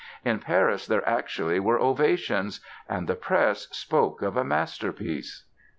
In Paris there actually were ovations and the press spoke of a "masterpiece"!